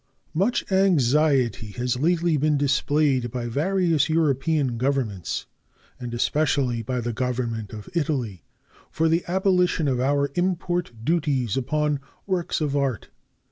Much anxiety has lately been displayed by various European Governments, and especially by the Government of Italy, for the abolition of our import duties upon works of art.